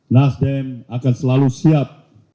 nasdem akan selalu siap